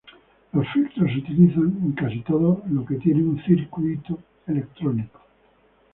Los filtros se utilizan en casi todo lo que tiene un circuito electrónico.